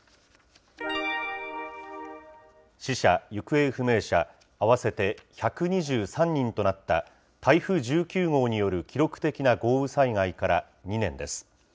死者・行方不明者合わせて１２３人となった、台風１９号による記録的な豪雨災害から２年です。